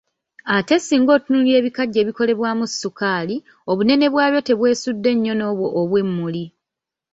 Ate singa otunuulira ebikajjo ebikolebwamu sukaali, obunene bwabyo tebwesudde nnyo n’obwo obw’emmuli.